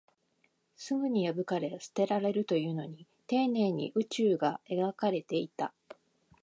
すぐに破かれ、捨てられるというのに、丁寧に宇宙が描かれていた